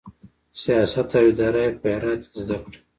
سیاست او اداره یې په هرات کې زده کړه.